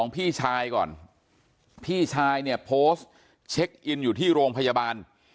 พี่ชายก่อนพี่ชายเนี่ยโพสต์เช็คอินอยู่ที่โรงพยาบาล